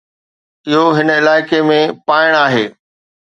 اهو هن علائقي ۾ پائڻ آهي.